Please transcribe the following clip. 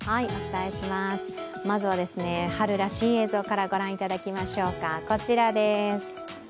まずは春らしい映像からご覧いただきましょうか。